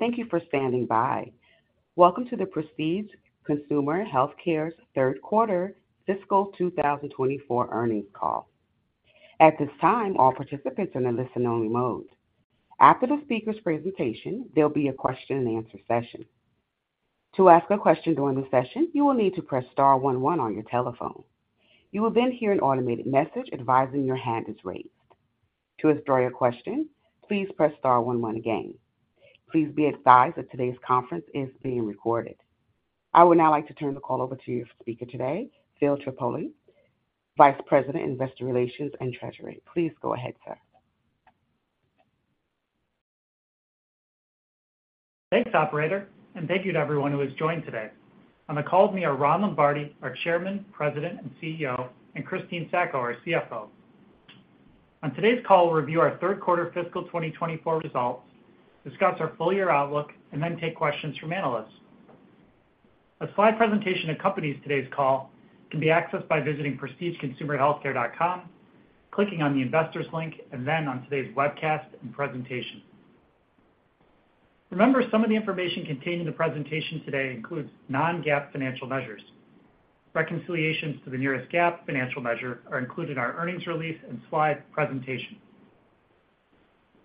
Thank you for standing by. Welcome to the Prestige Consumer Healthcare's third quarter fiscal 2024 earnings call. At this time, all participants are in listen-only mode. After the speaker's presentation, there'll be a question and answer session. To ask a question during the session, you will need to press star one one on your telephone. You will then hear an automated message advising your hand is raised. To withdraw your question, please press star one one again. Please be advised that today's conference is being recorded. I would now like to turn the call over to your speaker today, Phil Terpolilli, Vice President, Investor Relations and Treasury. Please go ahead, sir. Thanks, operator, and thank you to everyone who has joined today. On the call with me are Ron Lombardi, our Chairman, President, and CEO, and Christine Sacco, our CFO. On today's call, we'll review our third quarter fiscal 2024 results, discuss our full-year outlook, and then take questions from analysts. A slide presentation that accompanies today's call can be accessed by visiting prestigeconsumerhealthcare.com, clicking on the Investors link, and then on today's webcast and presentation. Remember, some of the information contained in the presentation today includes non-GAAP financial measures. Reconciliations to the nearest GAAP financial measure are included in our earnings release and slide presentation.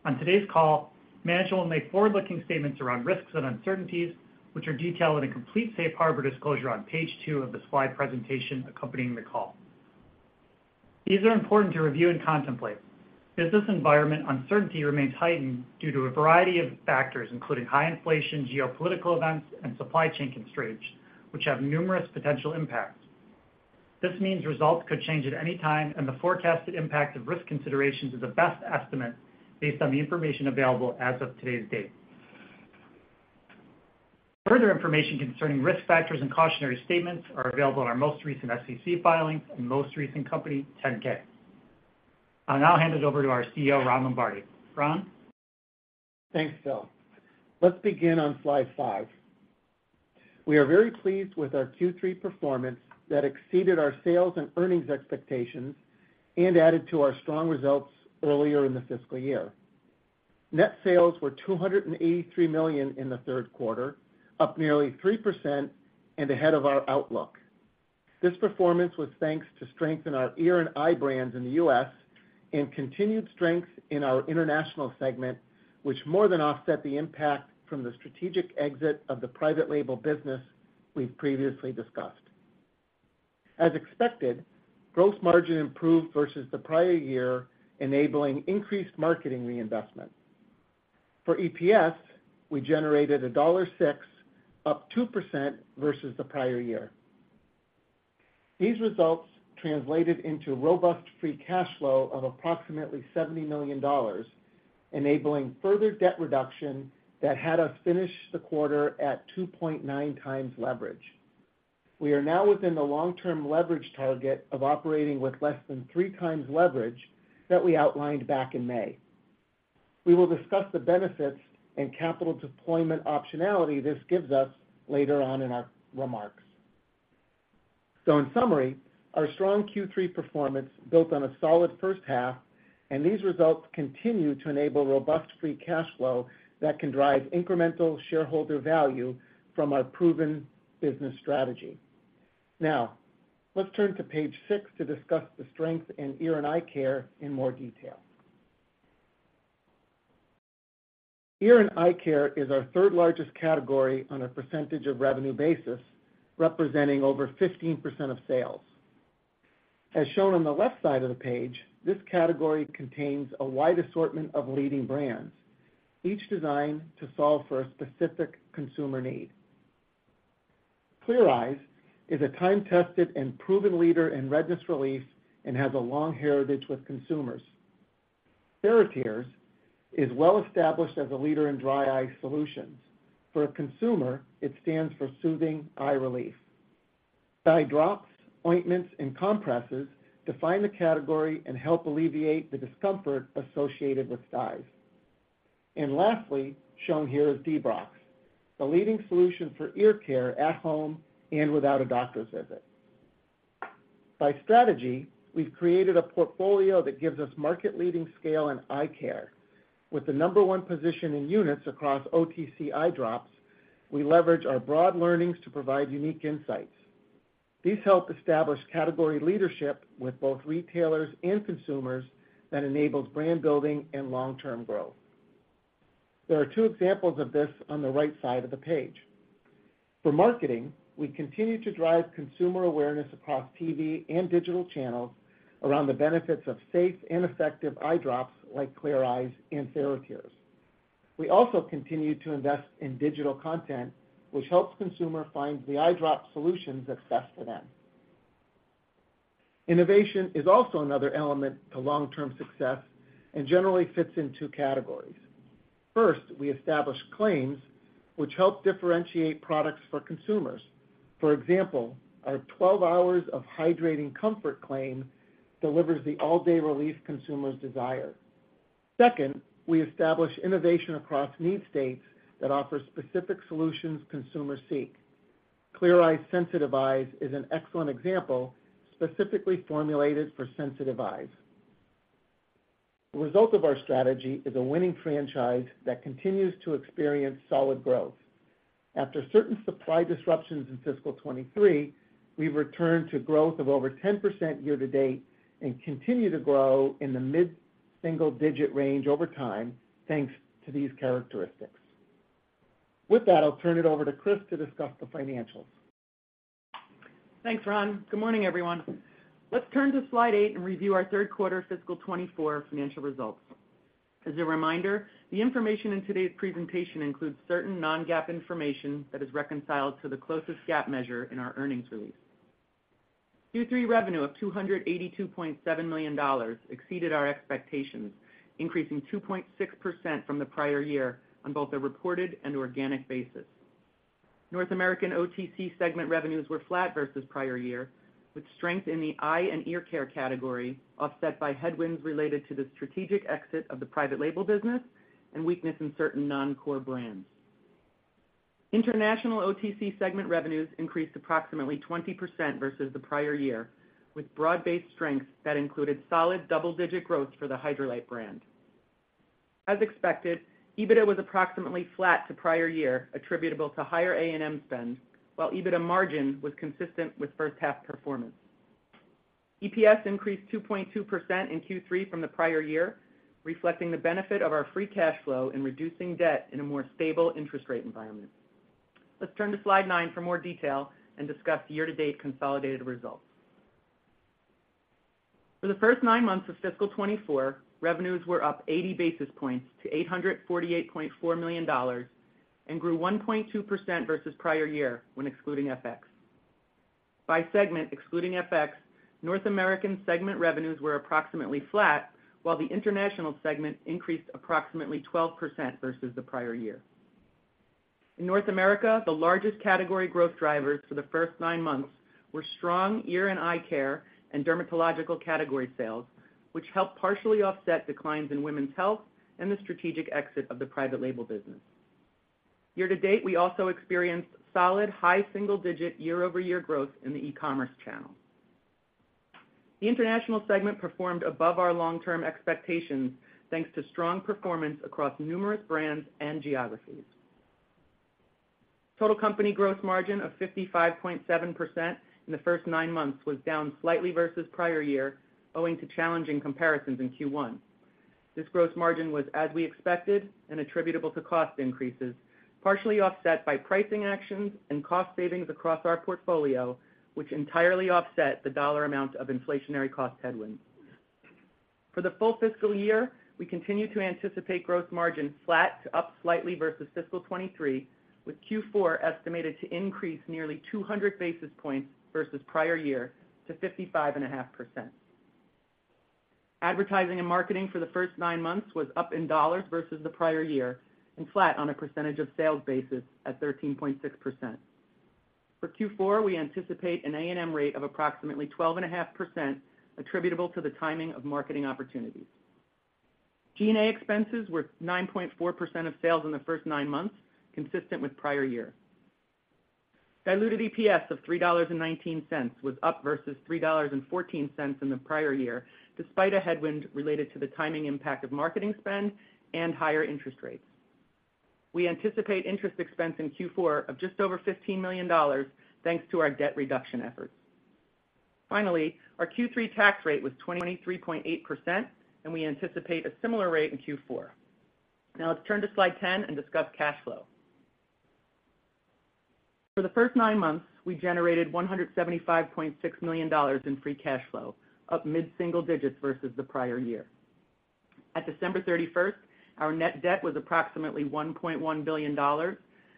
On today's call, management will make forward-looking statements around risks and uncertainties, which are detailed in a complete safe harbor disclosure on page 2 of the slide presentation accompanying the call. These are important to review and contemplate. Business environment uncertainty remains heightened due to a variety of factors, including high inflation, geopolitical events, and supply chain constraints, which have numerous potential impacts. This means results could change at any time, and the forecasted impact of risk considerations is a best estimate based on the information available as of today's date. Further information concerning risk factors and cautionary statements are available in our most recent SEC filings and most recent company 10-K. I'll now hand it over to our CEO, Ron Lombardi. Ron? Thanks, Phil. Let's begin on slide five. We are very pleased with our Q3 performance that exceeded our sales and earnings expectations and added to our strong results earlier in the fiscal year. Net sales were $283 million in the third quarter, up nearly 3% and ahead of our outlook. This performance was thanks to strength in our ear and eye brands in the U.S. and continued strength in our international segment, which more than offset the impact from the strategic exit of the private label business we've previously discussed. As expected, gross margin improved versus the prior year, enabling increased marketing reinvestment. For EPS, we generated $1.06, up 2% versus the prior year. These results translated into robust free cash flow of approximately $70 million, enabling further debt reduction that had us finish the quarter at 2.9x leverage. We are now within the long-term leverage target of operating with less than 3x leverage that we outlined back in May. We will discuss the benefits and capital deployment optionality this gives us later on in our remarks. In summary, our strong Q3 performance built on a solid first half, and these results continue to enable robust free cash flow that can drive incremental shareholder value from our proven business strategy. Now, let's turn to page six to discuss the strength in ear and eye care in more detail. Ear and eye care is our third-largest category on a percentage of revenue basis, representing over 15% of sales. As shown on the left side of the page, this category contains a wide assortment of leading brands, each designed to solve for a specific consumer need. Clear Eyes is a time-tested and proven leader in redness relief and has a long heritage with consumers. TheraTears is well established as a leader in dry eye solutions. For a consumer, it stands for soothing eye relief. Eye drops, ointments, and compresses define the category and help alleviate the discomfort associated with styes. Lastly, shown here is Debrox, the leading solution for ear care at home and without a doctor's visit. By strategy, we've created a portfolio that gives us market-leading scale in eye care. With the number one position in units across OTC eye drops, we leverage our broad learnings to provide unique insights. These help establish category leadership with both retailers and consumers that enables brand building and long-term growth. There are two examples of this on the right side of the page. For marketing, we continue to drive consumer awareness across TV and digital channels around the benefits of safe and effective eye drops like Clear Eyes and TheraTears. We also continue to invest in digital content, which helps consumer find the eye drop solutions that's best for them. Innovation is also another element to long-term success and generally fits in two categories. First, we establish claims which help differentiate products for consumers. For example, our 12 hours of hydrating comfort claim delivers the all-day relief consumers desire. Second, we establish innovation across need states that offer specific solutions consumers seek. Clear Eyes Sensitive Eyes is an excellent example, specifically formulated for sensitive eyes. The result of our strategy is a winning franchise that continues to experience solid growth. After certain supply disruptions in fiscal 2023, we've returned to growth of over 10% year-to-date and continue to grow in the mid-single-digit range over time, thanks to these characteristics. With that, I'll turn it over to Chris to discuss the financials. Thanks, Ron. Good morning, everyone. Let's turn to Slide Eight and review our third quarter fiscal 2024 financial results. As a reminder, the information in today's presentation includes certain non-GAAP information that is reconciled to the closest GAAP measure in our earnings release. Q3 revenue of $282.7 million exceeded our expectations, increasing 2.6% from the prior year on both a reported and organic basis. North American OTC segment revenues were flat versus prior year, with strength in the eye and ear care category, offset by headwinds related to the strategic exit of the private label business and weakness in certain non-core brands. International OTC segment revenues increased approximately 20% versus the prior year, with broad-based strengths that included solid double-digit growth for the Hydralyte brand. As expected, EBITDA was approximately flat to prior year, attributable to higher A&M spend, while EBITDA margin was consistent with first half performance. EPS increased 2.2% in Q3 from the prior year, reflecting the benefit of our free cash flow in reducing debt in a more stable interest rate environment. Let's turn to Slide nine for more detail and discuss year-to-date consolidated results. For the first nine months of fiscal 2024, revenues were up 80 basis points to $848.4 million and grew 1.2% versus prior year when excluding FX. By segment, excluding FX, North America segment revenues were approximately flat, while the international segment increased approximately 12% versus the prior year. In North America, the largest category growth drivers for the first nine months were strong ear and eye care and dermatological category sales, which helped partially offset declines in women's health and the strategic exit of the private label business. Year to date, we also experienced solid, high single-digit year-over-year growth in the e-commerce channel. The international segment performed above our long-term expectations, thanks to strong performance across numerous brands and geographies. Total company gross margin of 55.7% in the first nine months was down slightly versus prior year, owing to challenging comparisons in Q1. This gross margin was as we expected and attributable to cost increases, partially offset by pricing actions and cost savings across our portfolio, which entirely offset the dollar amount of inflationary cost headwinds. For the full fiscal year, we continue to anticipate gross margin flat to up slightly versus fiscal 2023, with Q4 estimated to increase nearly 200 basis points versus prior year to 55.5%. Advertising and marketing for the first nine months was up in dollars versus the prior year and flat on a percentage of sales basis at 13.6%. For Q4, we anticipate an A&M rate of approximately 12.5%, attributable to the timing of marketing opportunities. G&A expenses were 9.4% of sales in the first nine months, consistent with prior year. Diluted EPS of $3.19 was up versus $3.14 in the prior year, despite a headwind related to the timing impact of marketing spend and higher interest rates. We anticipate interest expense in Q4 of just over $15 million, thanks to our debt reduction efforts. Finally, our Q3 tax rate was 23.8%, and we anticipate a similar rate in Q4. Now, let's turn to Slide 10 and discuss cash flow. For the first nine months, we generated $175.6 million in free cash flow, up mid-single digits versus the prior year. At December 31, our net debt was approximately $1.1 billion,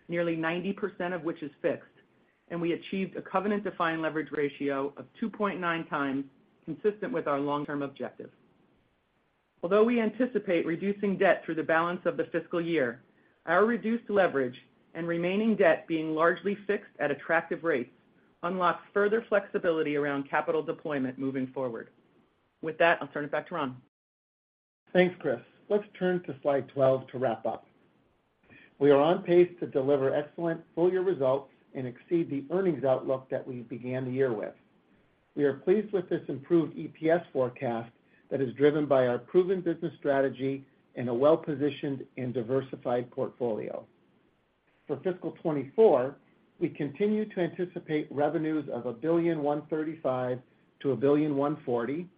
nearly 90% of which is fixed, and we achieved a covenant-defined leverage ratio of 2.9x, consistent with our long-term objective. Although we anticipate reducing debt through the balance of the fiscal year, our reduced leverage and remaining debt being largely fixed at attractive rates unlocks further flexibility around capital deployment moving forward. With that, I'll turn it back to Ron. Thanks, Chris. Let's turn to Slide 12 to wrap up. We are on pace to deliver excellent full-year results and exceed the earnings outlook that we began the year with. We are pleased with this improved EPS forecast that is driven by our proven business strategy and a well-positioned and diversified portfolio. For fiscal 2024, we continue to anticipate revenues of $1.035 billion-$1.040 billion,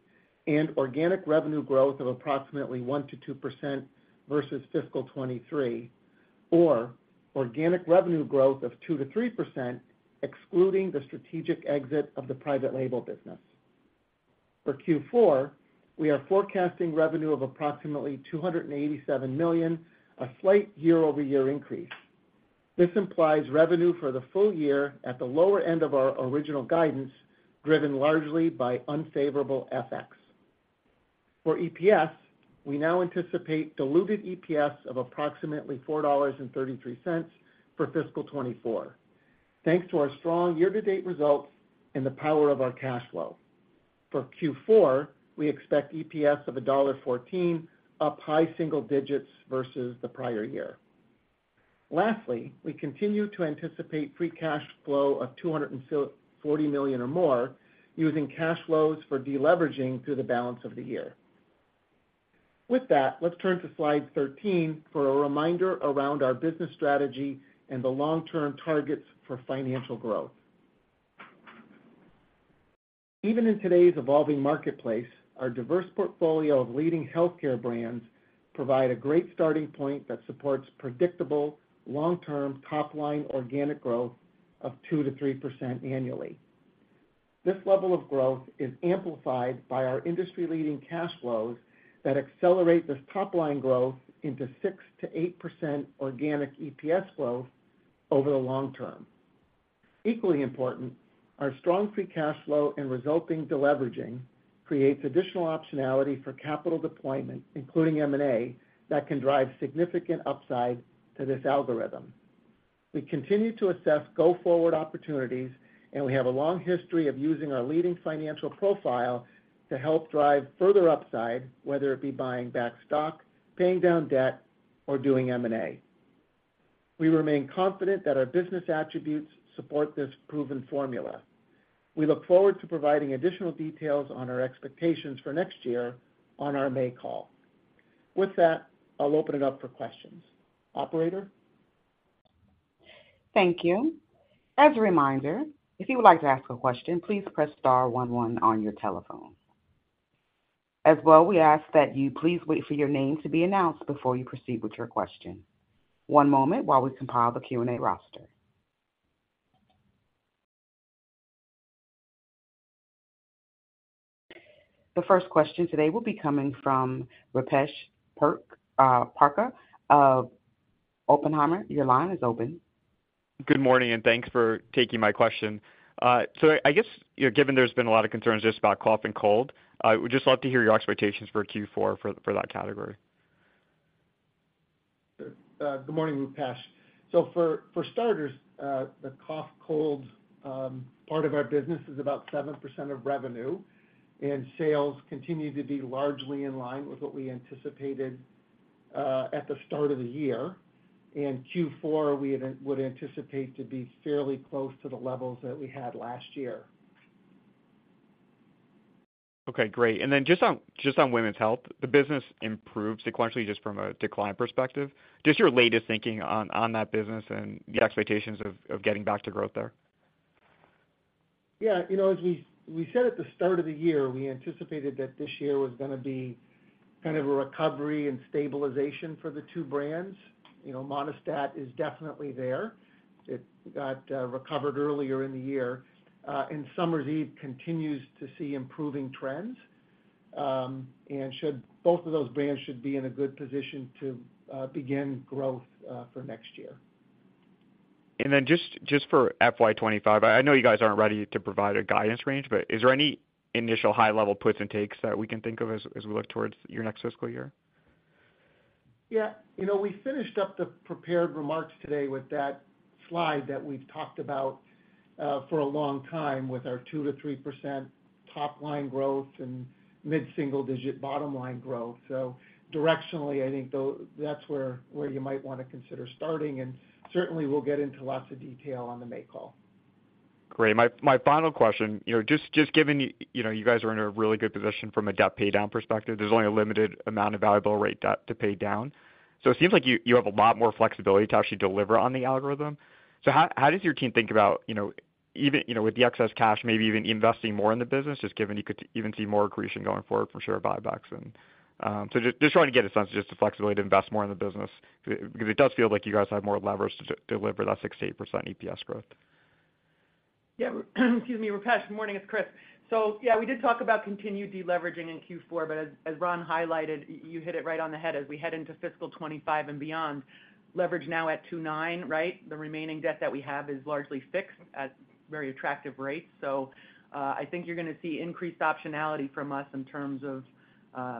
and organic revenue growth of approximately 1%-2% versus fiscal 2023, or organic revenue growth of 2%-3%, excluding the strategic exit of the private label business. For Q4, we are forecasting revenue of approximately $287 million, a slight year-over-year increase. This implies revenue for the full year at the lower end of our original guidance, driven largely by unfavorable FX. For EPS, we now anticipate diluted EPS of approximately $4.33 for fiscal 2024, thanks to our strong year-to-date results and the power of our cash flow. For Q4, we expect EPS of $1.14, up high single digits versus the prior year. Lastly, we continue to anticipate free cash flow of $240 million or more, using cash flows for deleveraging through the balance of the year. With that, let's turn to slide 13 for a reminder around our business strategy and the long-term targets for financial growth. Even in today's evolving marketplace, our diverse portfolio of leading healthcare brands provide a great starting point that supports predictable, long-term top line organic growth of 2%-3% annually. This level of growth is amplified by our industry-leading cash flows that accelerate this top line growth into 6%-8% organic EPS growth over the long term. Equally important, our strong free cash flow and resulting deleveraging creates additional optionality for capital deployment, including M&A, that can drive significant upside to this algorithm. We continue to assess go-forward opportunities, and we have a long history of using our leading financial profile to help drive further upside, whether it be buying back stock, paying down debt, or doing M&A. We remain confident that our business attributes support this proven formula. We look forward to providing additional details on our expectations for next year on our May call. With that, I'll open it up for questions. Operator? Thank you. As a reminder, if you would like to ask a question, please press star one one on your telephone. As well, we ask that you please wait for your name to be announced before you proceed with your question. One moment while we compile the Q&A roster. The first question today will be coming from Rupesh Parikh of Oppenheimer. Your line is open. Good morning, and thanks for taking my question. So I guess, you know, given there's been a lot of concerns just about cough and cold, I would just love to hear your expectations for Q4 for that category. Good morning, Rupesh. So for, for starters, the cough, cold, part of our business is about 7% of revenue, and sales continue to be largely in line with what we anticipated, at the start of the year. In Q4, we would anticipate to be fairly close to the levels that we had last year. Okay, great. And then just on women's health, the business improved sequentially just from a decline perspective. Just your latest thinking on that business and the expectations of getting back to growth there. Yeah, you know, as we, we said at the start of the year, we anticipated that this year was gonna be kind of a recovery and stabilization for the two brands. You know, Monistat is definitely there. It got recovered earlier in the year, and Summer's Eve continues to see improving trends. And both of those brands should be in a good position to begin growth for next year. And then just for FY 2025, I know you guys aren't ready to provide a guidance range, but is there any initial high-level puts and takes that we can think of as we look towards your next fiscal year? Yeah. You know, we finished up the prepared remarks today with that slide that we've talked about for a long time, with our 2%-3% top line growth and mid-single-digit bottom line growth. So directionally, I think that's where you might want to consider starting, and certainly we'll get into lots of detail on the May call. Great. My final question, you know, just given, you know, you guys are in a really good position from a debt paydown perspective, there's only a limited amount of variable rate debt to pay down. So it seems like you have a lot more flexibility to actually deliver on the algorithm. So how does your team think about, you know, even with the excess cash, maybe even investing more in the business, just given you could even see more accretion going forward from share buybacks and... So just trying to get a sense of just the flexibility to invest more in the business, because it does feel like you guys have more levers to deliver that 6%-8% EPS growth. Yeah, excuse me, Rupesh. Morning, it's Chris. So yeah, we did talk about continued deleveraging in Q4, but as Ron highlighted, you hit it right on the head as we head into fiscal 2025 and beyond. Leverage now at 2.9, right? The remaining debt that we have is largely fixed at very attractive rates. So, I think you're gonna see increased optionality from us in terms of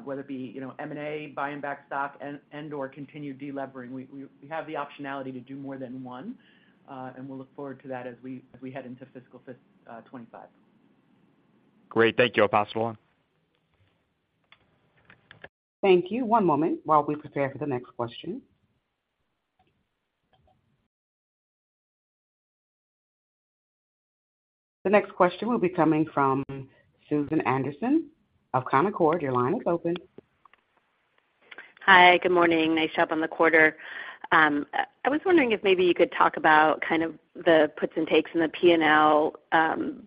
whether it be, you know, M&A, buying back stock, and/or continued delevering. We have the optionality to do more than one, and we'll look forward to that as we head into fiscal 2025. Great. Thank you. I'll pass it along. Thank you. One moment while we prepare for the next question. The next question will be coming from Susan Anderson of Canaccord. Your line is open. Hi, good morning. Nice job on the quarter. I was wondering if maybe you could talk about kind of the puts and takes in the P&L,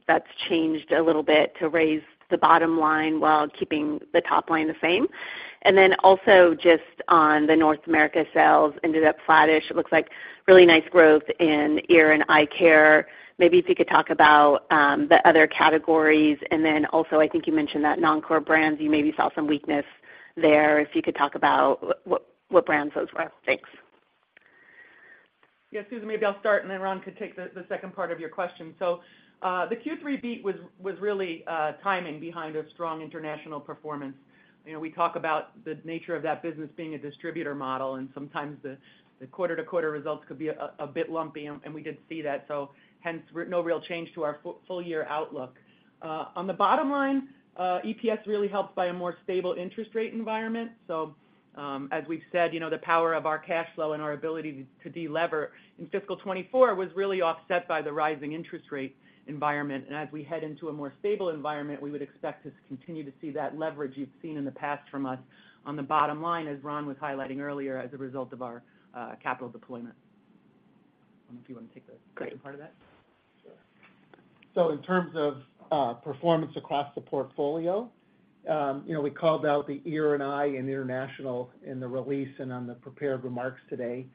that's changed a little bit to raise the bottom line while keeping the top line the same. And then also just on the North America sales ended up flattish. It looks like really nice growth in ear and eye care. Maybe if you could talk about the other categories, and then also, I think you mentioned that non-core brands, you maybe saw some weakness there, if you could talk about what brands those were. Thanks. Yeah, Susan, maybe I'll start, and then Ron could take the second part of your question. So, the Q3 beat was really timing behind a strong international performance. You know, we talk about the nature of that business being a distributor model, and sometimes the quarter-to-quarter results could be a bit lumpy, and we did see that, so hence no real change to our full year outlook. On the bottom line, EPS really helped by a more stable interest rate environment. So, as we've said, you know, the power of our cash flow and our ability to delever in fiscal 2024 was really offset by the rising interest rate environment. As we head into a more stable environment, we would expect to continue to see that leverage you've seen in the past from us on the bottom line, as Ron was highlighting earlier, as a result of our capital deployment. I don't know if you want to take the second part of that? Great. Sure. So in terms of performance across the portfolio, you know, we called out the ear and eye in international in the release and on the prepared remarks today.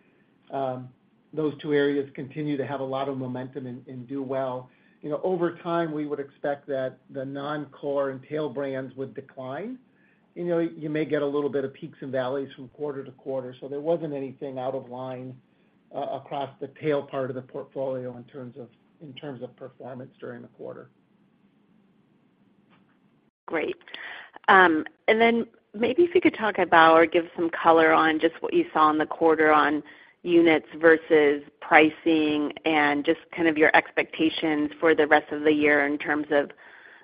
Those two areas continue to have a lot of momentum and do well. You know, over time, we would expect that the non-core and tail brands would decline. You know, you may get a little bit of peaks and valleys from quarter to quarter, so there wasn't anything out of line across the tail part of the portfolio in terms of performance during the quarter. Great. And then maybe if you could talk about or give some color on just what you saw in the quarter on units versus pricing and just kind of your expectations for the rest of the year in terms of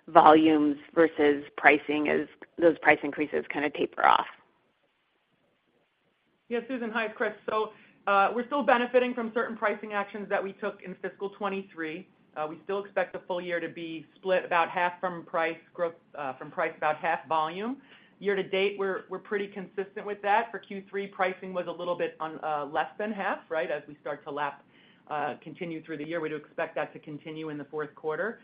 volumes versus pricing as those price increases kind of taper off. Yeah, Susan. Hi, it's Chris. So, we're still benefiting from certain pricing actions that we took in fiscal 2023. We still expect the full year to be split about half from price growth, from price, about half volume. Year to date, we're pretty consistent with that. For Q3, pricing was a little bit less than half, right? As we start to lap, continue through the year, we do expect that to continue in the fourth quarter.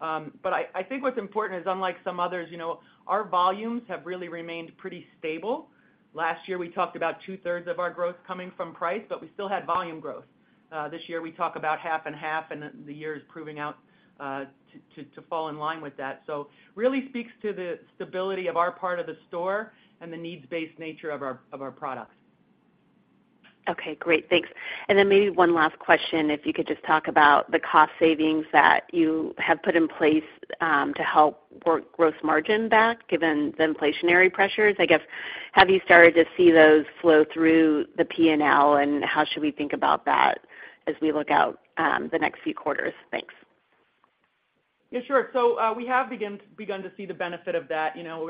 But I think what's important is, unlike some others, you know, our volumes have really remained pretty stable. Last year, we talked about 2/3 of our growth coming from price, but we still had volume growth. This year, we talk about half and half, and the year is proving out to fall in line with that. So really speaks to the stability of our part of the store and the needs-based nature of our products. Okay, great. Thanks. And then maybe one last question, if you could just talk about the cost savings that you have put in place, to help work gross margin back, given the inflationary pressures. I guess, have you started to see those flow through the P&L, and how should we think about that as we look out, the next few quarters? Thanks. Yeah, sure. So, we have begun to see the benefit of that. You know,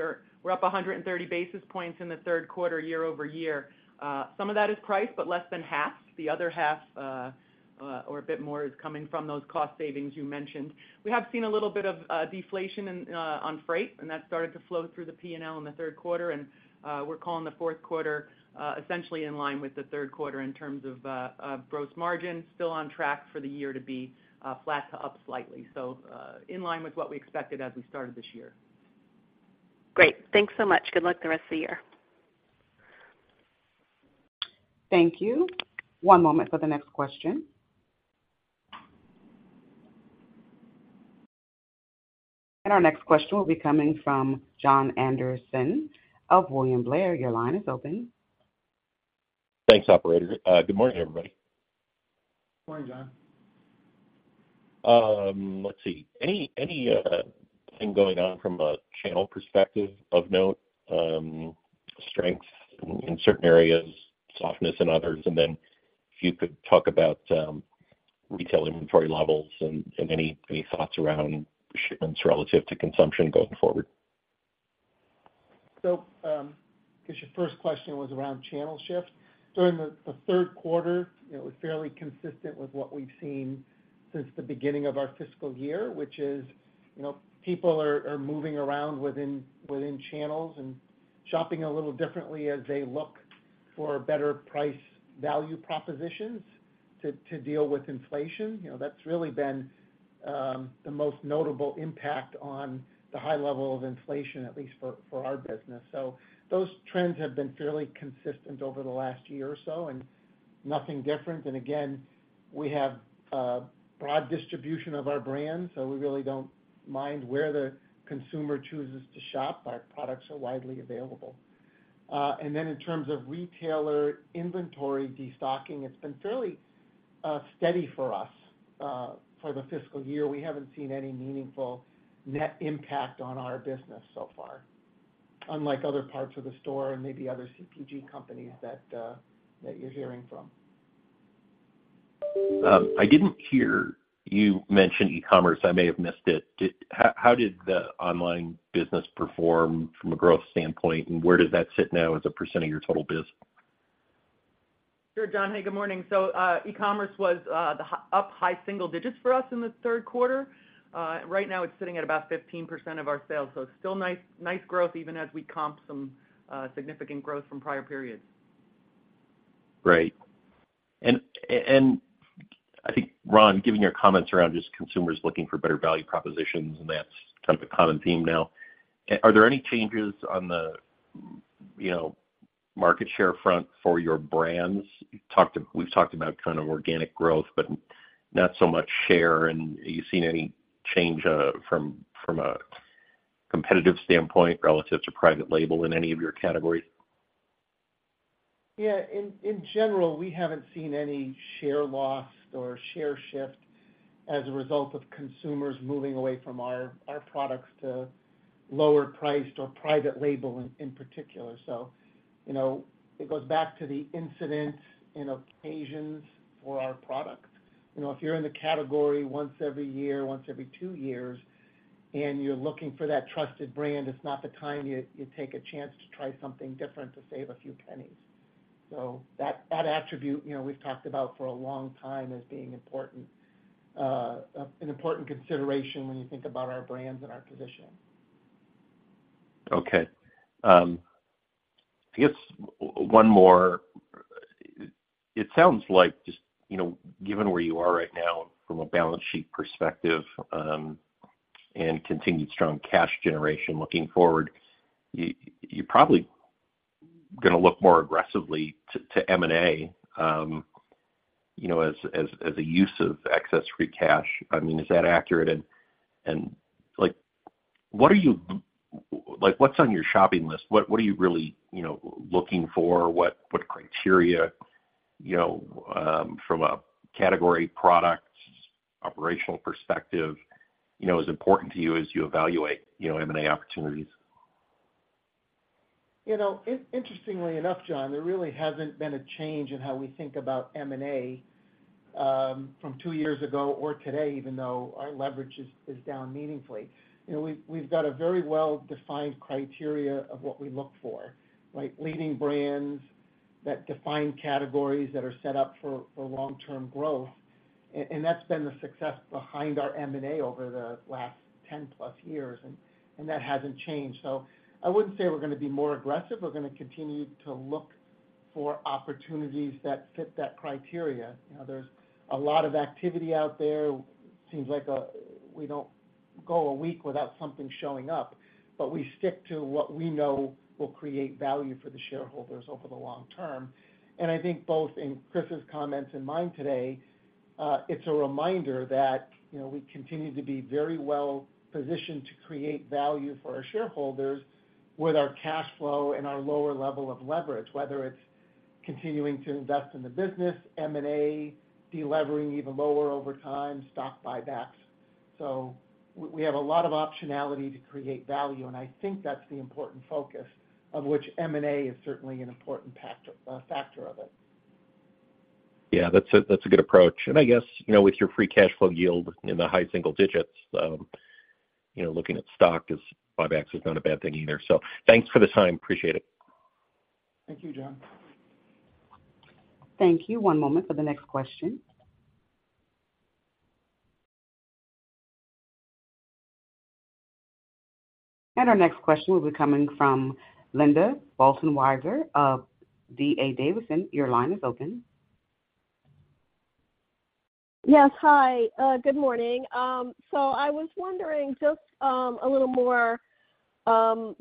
we're up 100 basis points in the third quarter, year-over-year. Some of that is price, but less than half. The other half, or a bit more, is coming from those cost savings you mentioned. We have seen a little bit of deflation in on freight, and that started to flow through the P&L in the third quarter. And, we're calling the fourth quarter, essentially in line with the third quarter in terms of gross margin. Still on track for the year to be flat to up slightly. So, in line with what we expected as we started this year. Great. Thanks so much. Good luck the rest of the year. Thank you. One moment for the next question. Our next question will be coming from Jon Andersen of William Blair. Your line is open. Thanks, operator. Good morning, everybody. Good morning, Jon. Let's see. Any thing going on from a channel perspective of note, strength in certain areas, softness in others? And then if you could talk about retail inventory levels and any thoughts around shipments relative to consumption going forward. So, I guess your first question was around channel shift. During the third quarter, it was fairly consistent with what we've seen since the beginning of our fiscal year, which is, you know, people are moving around within channels and shopping a little differently as they look for better price value propositions to deal with inflation. You know, that's really been the most notable impact on the high level of inflation, at least for our business. So those trends have been fairly consistent over the last year or so, and nothing different. And again, we have a broad distribution of our brands, so we really don't mind where the consumer chooses to shop. Our products are widely available. And then in terms of retailer inventory destocking, it's been fairly steady for us for the fiscal year. We haven't seen any meaningful net impact on our business so far, unlike other parts of the store and maybe other CPG companies that you're hearing from. I didn't hear you mention e-commerce. I may have missed it. How did the online business perform from a growth standpoint, and where does that sit now as a precent of your total biz? Sure, Jon. Hey, good morning. So, e-commerce was up high single digits for us in the third quarter. Right now it's sitting at about 15% of our sales, so still nice, nice growth, even as we comp some significant growth from prior periods. Great. And I think, Ron, given your comments around just consumers looking for better value propositions, and that's kind of a common theme now, are there any changes on the, you know, market share front for your brands? You talked, we've talked about kind of organic growth, but not so much share. And are you seeing any change from a competitive standpoint relative to private label in any of your categories? Yeah, in general, we haven't seen any share loss or share shift as a result of consumers moving away from our products to lower priced or private label in particular. So you know, it goes back to the incidents and occasions for our product. You know, if you're in the category once every year, once every two years,... and you're looking for that trusted brand, it's not the time you take a chance to try something different to save a few pennies. So that attribute, you know, we've talked about for a long time as being important, an important consideration when you think about our brands and our position. Okay. I guess one more. It sounds like just, you know, given where you are right now from a balance sheet perspective, and continued strong cash generation looking forward, you, you probably gonna look more aggressively to, to M&A, you know, as, as, as a use of excess free cash. I mean, is that accurate? And, and like, what are you—like, what's on your shopping list? What, what are you really, you know, looking for? What, what criteria, you know, from a category, product, operational perspective, you know, is important to you as you evaluate, you know, M&A opportunities? You know, interestingly enough, Jon, there really hasn't been a change in how we think about M&A from two years ago or today, even though our leverage is down meaningfully. You know, we've got a very well-defined criteria of what we look for, like leading brands that define categories that are set up for long-term growth. And that's been the success behind our M&A over the last 10+ years, and that hasn't changed. So I wouldn't say we're gonna be more aggressive. We're gonna continue to look for opportunities that fit that criteria. You know, there's a lot of activity out there. Seems like we don't go a week without something showing up, but we stick to what we know will create value for the shareholders over the long term. I think both in Chris's comments and mine today, it's a reminder that, you know, we continue to be very well-positioned to create value for our shareholders with our cash flow and our lower level of leverage, whether it's continuing to invest in the business, M&A, delevering even lower over time, stock buybacks. So we have a lot of optionality to create value, and I think that's the important focus of which M&A is certainly an important factor of it. Yeah, that's a good approach. And I guess, you know, with your free cash flow yield in the high single digits, you know, looking at stock is, buybacks is not a bad thing either. So thanks for the time. Appreciate it. Thank you, John. Thank you. One moment for the next question. And our next question will be coming from Linda Bolton Weiser of D.A. Davidson. Your line is open. Yes, hi. Good morning. So I was wondering, just a little more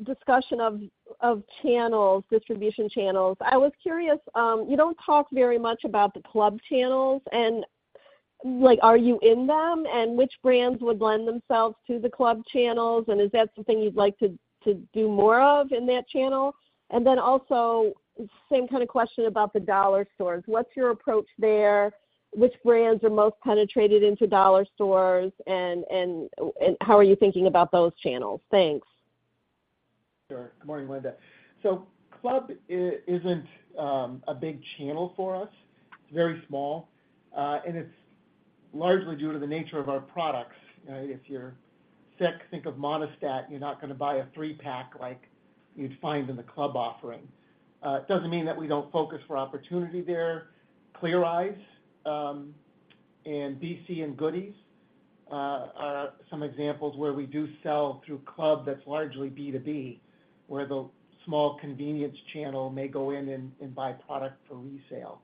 discussion of channels, distribution channels. I was curious, you don't talk very much about the club channels and, like, are you in them? And which brands would lend themselves to the club channels? And is that something you'd like to do more of in that channel? And then also, same kind of question about the dollar stores. What's your approach there? Which brands are most penetrated into dollar stores, and how are you thinking about those channels? Thanks. Sure. Good morning, Linda. So club isn't a big channel for us. It's very small, and it's largely due to the nature of our products. If you're sick, think of Monistat, you're not gonna buy a three-pack like you'd find in the club offering. It doesn't mean that we don't focus for opportunity there. Clear Eyes, and BC and Goody's, are some examples where we do sell through club that's largely B2B, where the small convenience channel may go in and buy product for resale.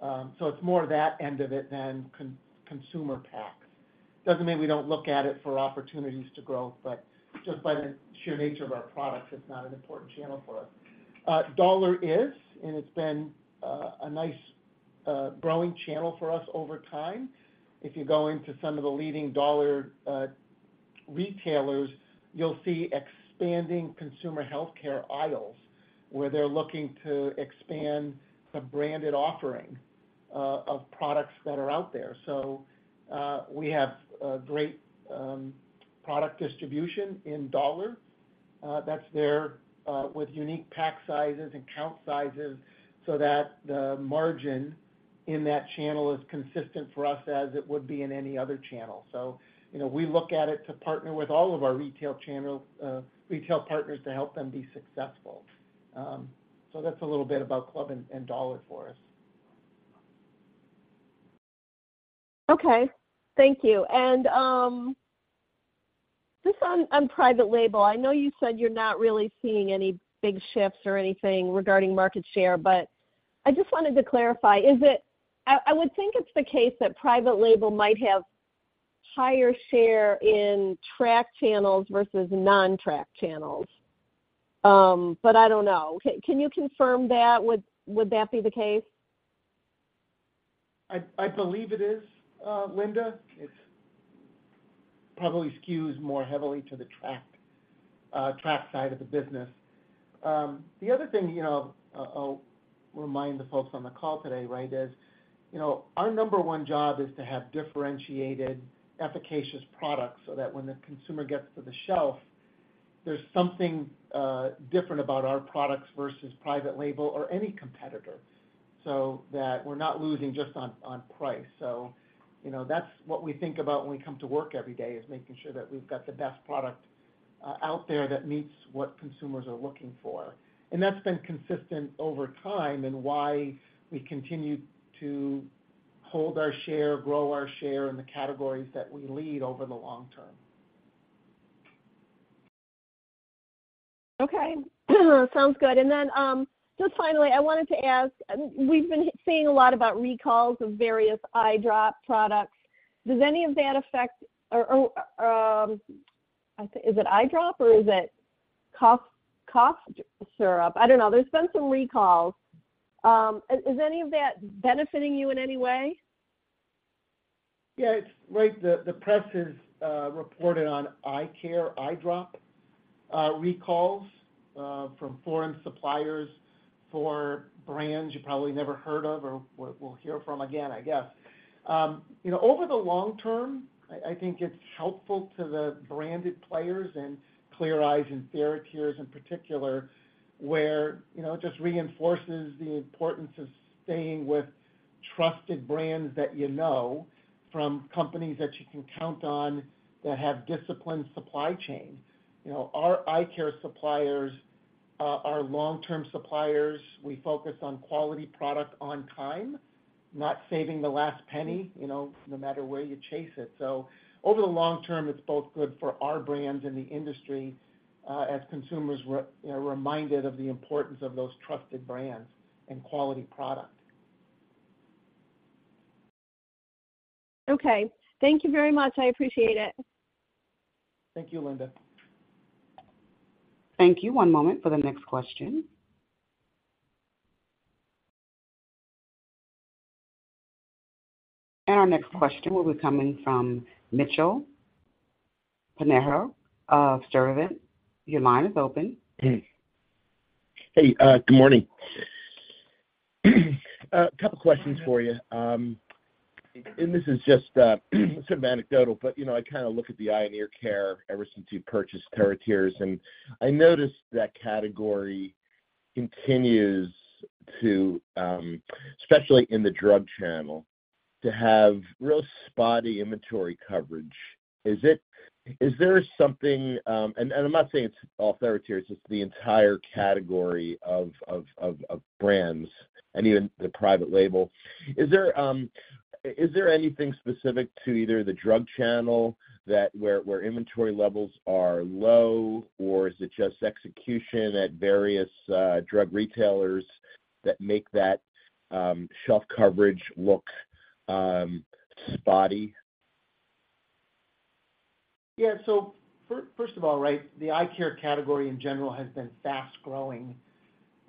So it's more that end of it than consumer pack. Doesn't mean we don't look at it for opportunities to grow, but just by the sheer nature of our products, it's not an important channel for us. Dollar is, and it's been a nice growing channel for us over time. If you go into some of the leading dollar retailers, you'll see expanding consumer healthcare aisles, where they're looking to expand the branded offering of products that are out there. So, we have a great product distribution in dollar. That's there with unique pack sizes and count sizes, so that the margin in that channel is consistent for us as it would be in any other channel. So, you know, we look at it to partner with all of our retail channel retail partners to help them be successful. So that's a little bit about club and dollar for us. Okay. Thank you. And just on private label, I know you said you're not really seeing any big shifts or anything regarding market share, but I just wanted to clarify: I would think it's the case that private label might have higher share in track channels versus non-track channels, but I don't know. Can you confirm that? Would that be the case? I believe it is, Linda. It's probably skews more heavily to the track, track side of the business. The other thing, you know, I'll remind the folks on the call today, right, is, you know, our number one job is to have differentiated, efficacious products so that when the consumer gets to the shelf. There's something different about our products versus private label or any competitor, so that we're not losing just on price. So, you know, that's what we think about when we come to work every day, is making sure that we've got the best product out there that meets what consumers are looking for. And that's been consistent over time and why we continue to hold our share, grow our share in the categories that we lead over the long term. Okay. Sounds good. And then, just finally, I wanted to ask, we've been seeing a lot about recalls of various eye drop products. Does any of that affect, or, I think, is it eye drop or is it cough, cough syrup? I don't know. There's been some recalls. Is any of that benefiting you in any way? Yeah, it's right. The press has reported on eye care, eye drop recalls from foreign suppliers for brands you probably never heard of or won't hear from again, I guess. You know, over the long term, I think it's helpful to the branded players and Clear Eyes and TheraTears in particular, where, you know, it just reinforces the importance of staying with trusted brands that you know from companies that you can count on that have disciplined supply chain. You know, our eye care suppliers are long-term suppliers. We focus on quality product on time, not saving the last penny, you know, no matter where you chase it. So over the long term, it's both good for our brands and the industry, as consumers we're, you know, reminded of the importance of those trusted brands and quality product. Okay. Thank you very much. I appreciate it. Thank you, Linda. Thank you. One moment for the next question. Our next question will be coming from Mitchell Pinheiro of Sturdivant. Your line is open. Hey, good morning. A couple questions for you. This is just some anecdotal, but you know, I kind of look at the eye and ear care ever since you purchased TheraTears, and I noticed that category continues to, especially in the drug channel, to have real spotty inventory coverage. Is it? Is there something... I'm not saying it's all TheraTears, it's the entire category of brands and even the private label. Is there anything specific to either the drug channel that where inventory levels are low, or is it just execution at various drug retailers that make that shelf coverage look spotty? Yeah. So first of all, right, the eye care category in general has been fast-growing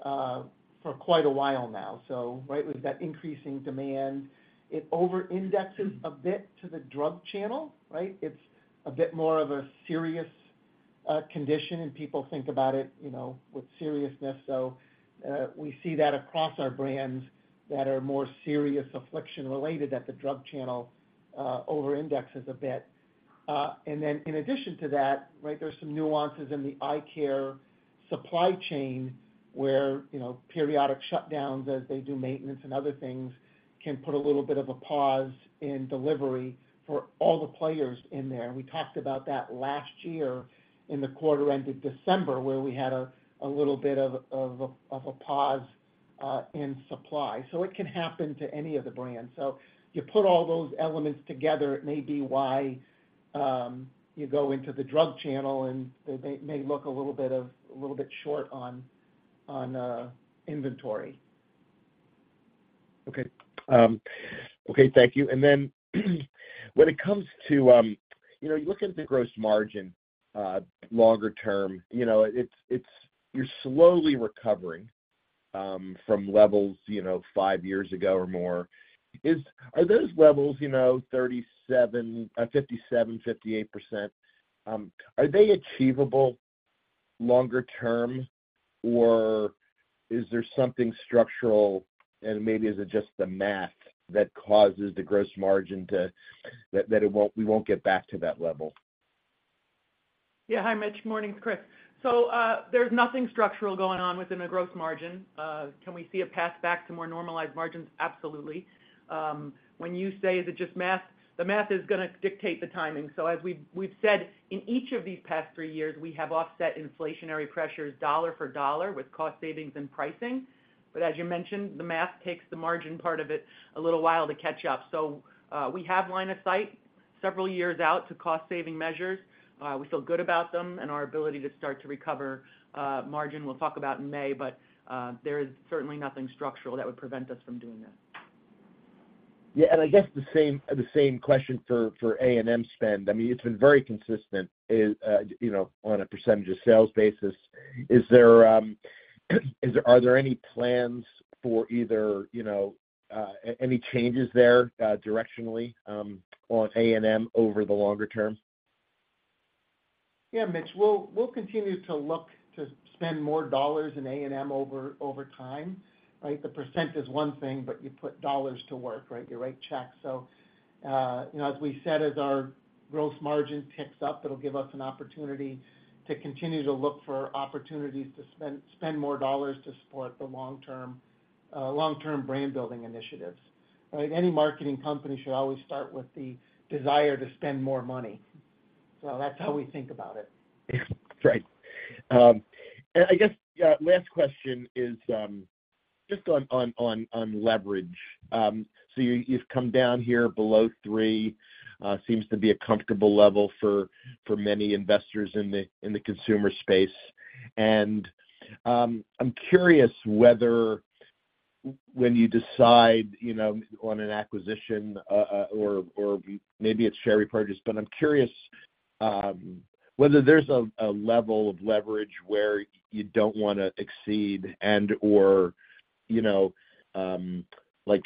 for quite a while now. So right, with that increasing demand, it over-indexes a bit to the drug channel, right? It's a bit more of a serious condition, and people think about it, you know, with seriousness. So we see that across our brands that are more serious affliction-related, that the drug channel over-indexes a bit. And then in addition to that, right, there's some nuances in the eye care supply chain, where, you know, periodic shutdowns as they do maintenance and other things, can put a little bit of a pause in delivery for all the players in there. And we talked about that last year in the quarter end of December, where we had a little bit of a pause in supply. So it can happen to any of the brands. So you put all those elements together, it may be why you go into the drug channel, and they may look a little bit short on inventory. Okay. Okay, thank you. And then, when it comes to, you know, you look at the gross margin, longer term, you know, it's, it's, you're slowly recovering from levels, you know, 5 years ago or more. Are those levels, you know, 37%, 57%, 58%, are they achievable longer term, or is there something structural, and maybe is it just the math that causes the gross margin to... That it won't we won't get back to that level? Yeah. Hi, Mitch. Morning, it's Chris. So, there's nothing structural going on within the gross margin. Can we see a pass back to more normalized margins? Absolutely. When you say, is it just math? The math is gonna dictate the timing. So as we've, we've said, in each of these past three years, we have offset inflationary pressures dollar for dollar with cost savings and pricing. But as you mentioned, the math takes the margin part of it a little while to catch up. So, we have line of sight several years out to cost-saving measures. We feel good about them and our ability to start to recover margin. We'll talk about in May, but there is certainly nothing structural that would prevent us from doing that. Yeah, and I guess the same question for A&M spend. I mean, it's been very consistent, you know, on a percentage of sales basis. Are there any plans for either, you know, any changes there, directionally, on A&M over the longer term? Yeah, Mitch, we'll continue to look to spend more dollars in A&M over time, right? The percent is one thing, but you put dollars to work, right? You write checks. So, you know, as we said, as our gross margin picks up, it'll give us an opportunity to continue to look for opportunities to spend more dollars to support the long-term brand building initiatives, right? Any marketing company should always start with the desire to spend more money. So that's how we think about it. Great. And I guess last question is just on leverage. So you've come down here below three, seems to be a comfortable level for many investors in the consumer space. And I'm curious whether when you decide, you know, on an acquisition, or maybe it's share repurchase. But I'm curious whether there's a level of leverage where you don't wanna exceed and/or, you know, like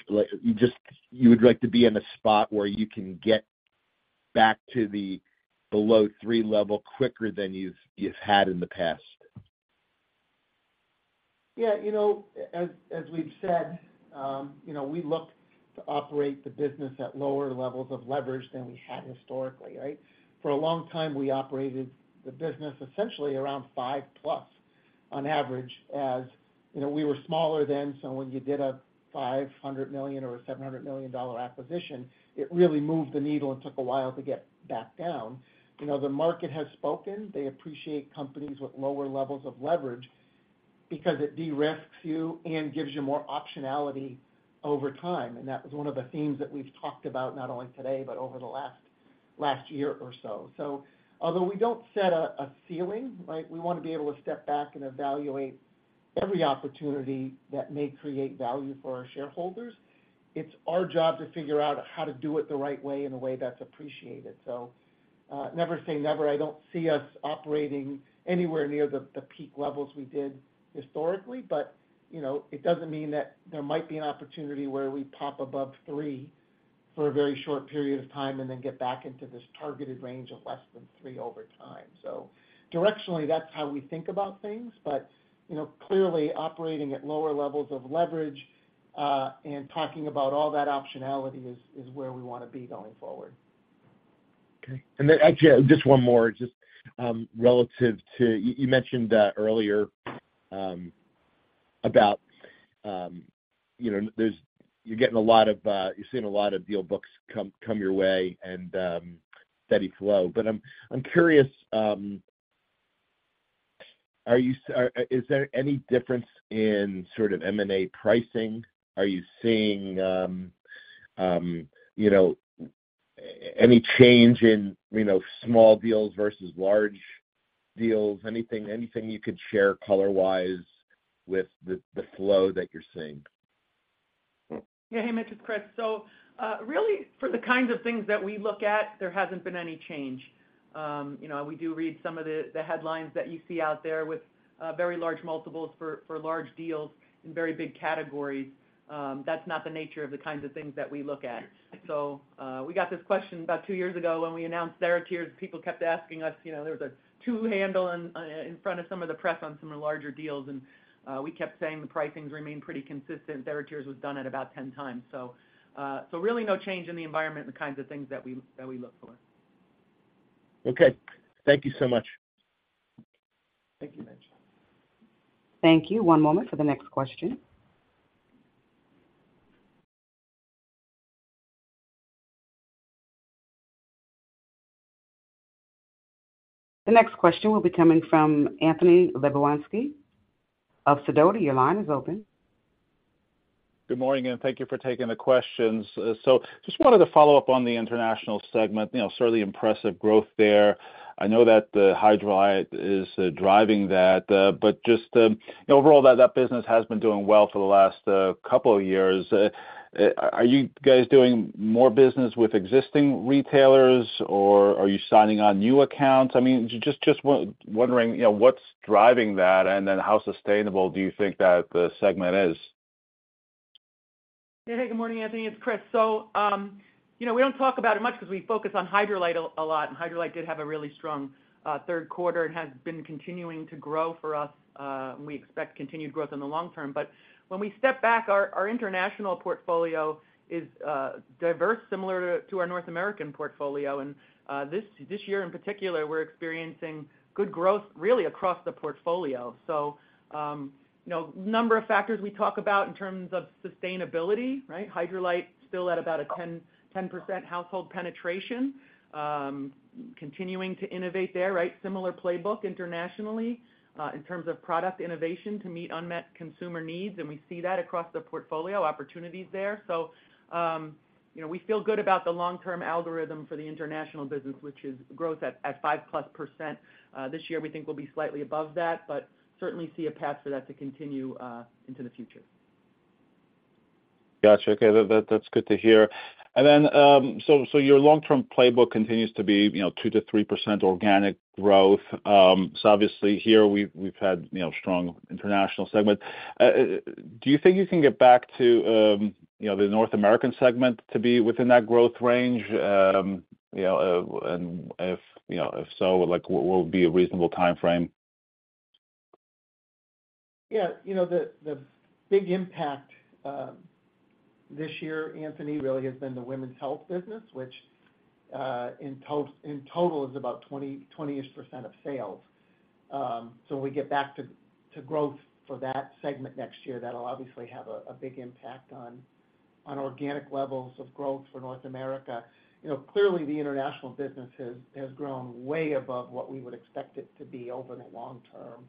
just you would like to be in a spot where you can get back to the below three level quicker than you've had in the past? Yeah, you know, as we've said, you know, we look to operate the business at lower levels of leverage than we had historically, right? For a long time, we operated the business essentially around 5+ on average. As, you know, we were smaller then, so when you did a $500 million or $700 million acquisition, it really moved the needle and took a while to get back down. You know, the market has spoken. They appreciate companies with lower levels of leverage because it de-risks you and gives you more optionality over time, and that was one of the themes that we've talked about, not only today, but over the last year or so. So although we don't set a ceiling, right, we wanna be able to step back and evaluate every opportunity that may create value for our shareholders. It's our job to figure out how to do it the right way, in a way that's appreciated. So, never say never. I don't see us operating anywhere near the peak levels we did historically, but, you know, it doesn't mean that there might be an opportunity where we pop above three for a very short period of time and then get back into this targeted range of less than three over time. So directionally, that's how we think about things. But, you know, clearly operating at lower levels of leverage, and talking about all that optionality is where we wanna be going forward. Okay. And then actually, just one more, just relative to... You mentioned earlier about you know, there's you're getting a lot of, you're seeing a lot of deal books come your way and steady flow. But I'm curious, are you? Are, is there any difference in sort of M&A pricing? Are you seeing you know, any change in you know, small deals versus large deals? Anything you could share color-wise with the flow that you're seeing? Yeah. Hey, Mitch, it's Chris. So, really, for the kinds of things that we look at, there hasn't been any change. You know, we do read some of the, the headlines that you see out there with very large multiples for large deals in very big categories. That's not the nature of the kinds of things that we look at. So, we got this question about two years ago when we announced TheraTears. People kept asking us, you know, there was a two handle in front of some of the press on some of the larger deals, and we kept saying the pricings remain pretty consistent. TheraTears was done at about 10x. So, so really no change in the environment, the kinds of things that we, that we look for. Okay. Thank you so much. Thank you, Mitch. Thank you. One moment for the next question. The next question will be coming from Anthony Lebiedzinski of Sidoti. Your line is open. Good morning, and thank you for taking the questions. So just wanted to follow up on the international segment. You know, certainly impressive growth there. I know that the Hydralyte is driving that, but just overall, that business has been doing well for the last couple of years. Are you guys doing more business with existing retailers, or are you signing on new accounts? I mean, just wondering, you know, what's driving that, and then how sustainable do you think that the segment is? Yeah. Hey, good morning, Anthony, it's Chris. So, you know, we don't talk about it much because we focus on Hydralyte a lot, and Hydralyte did have a really strong third quarter and has been continuing to grow for us. And we expect continued growth in the long term. But when we step back, our international portfolio is diverse, similar to our North American portfolio. And this year in particular, we're experiencing good growth really across the portfolio. So, you know, number of factors we talk about in terms of sustainability, right? Hydralyte still at about a 10% household penetration. Continuing to innovate there, right? Similar playbook internationally, in terms of product innovation to meet unmet consumer needs, and we see that across the portfolio, opportunities there. You know, we feel good about the long-term algorithm for the international business, which is growth at 5%+. This year, we think we'll be slightly above that, but certainly see a path for that to continue into the future. Gotcha. Okay, that, that's good to hear. And then, so your long-term playbook continues to be, you know, 2%-3% organic growth. So obviously here, we've had, you know, strong international segment. Do you think you can get back to, you know, the North American segment to be within that growth range? You know, and if, you know, if so, like, what would be a reasonable timeframe? ... Yeah, you know, the big impact this year, Anthony, really has been the women's health business, which in total is about 20%, 20-ish% of sales. So we get back to growth for that segment next year, that'll obviously have a big impact on organic levels of growth for North America. You know, clearly, the international business has grown way above what we would expect it to be over the long term.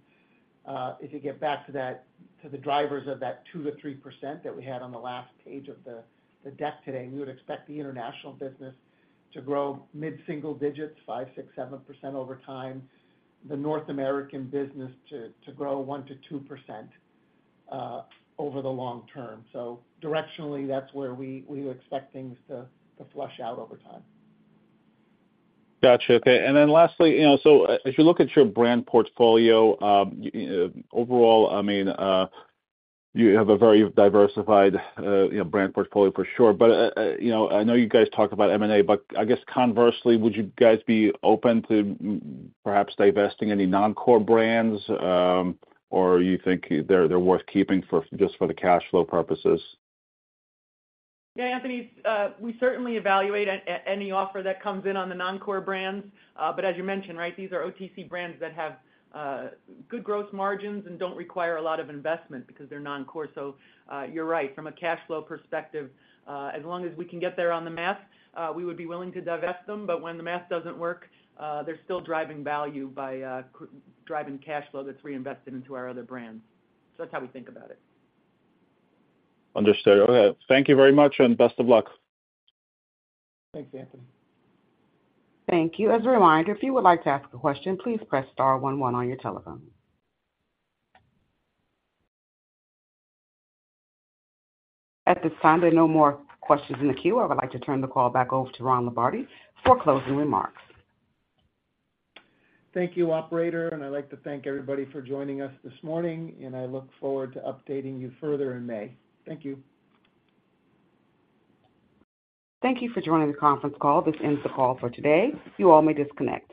If you get back to the drivers of that 2%-3% that we had on the last page of the deck today, we would expect the international business to grow mid-single digits, 5%, 6%, 7% over time. The North American business to grow 1%-2%, over the long term. Directionally, that's where we would expect things to flush out over time. Gotcha. Okay. And then lastly, you know, so if you look at your brand portfolio, overall, I mean, you have a very diversified, you know, brand portfolio for sure. But, you know, I know you guys talked about M&A, but I guess conversely, would you guys be open to perhaps divesting any non-core brands, or you think they're worth keeping for just for the cash flow purposes? Yeah, Anthony, we certainly evaluate any offer that comes in on the non-core brands. But as you mentioned, right, these are OTC brands that have good gross margins and don't require a lot of investment because they're non-core. So, you're right. From a cash flow perspective, as long as we can get there on the math, we would be willing to divest them. But when the math doesn't work, they're still driving value by driving cash flow that's reinvested into our other brands. So that's how we think about it. Understood. Okay. Thank you very much, and best of luck. Thanks, Anthony. Thank you. As a reminder, if you would like to ask a question, please press star one one on your telephone. At this time, there are no more questions in the queue. I would like to turn the call back over to Ron Lombardi for closing remarks. Thank you, operator, and I'd like to thank everybody for joining us this morning, and I look forward to updating you further in May. Thank you. Thank you for joining the conference call. This ends the call for today. You all may disconnect.